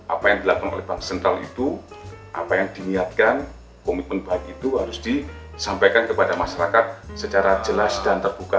apa yang dilakukan oleh bank sentral itu apa yang diniatkan komitmen baik itu harus disampaikan kepada masyarakat secara jelas dan terbuka